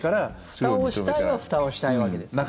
ふたをしたいはふたをしたいわけですね。